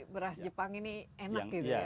beras jepang ini enak gitu ya